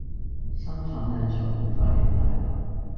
新粉嶺裁判法院大樓